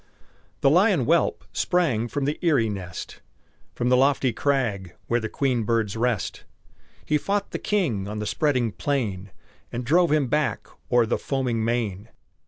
The lion whelp sprang from the eyrie nest, From the lofty crag where the queen birds rest; He fought the King on the spreading plain, And drove him back o'er the foaming main.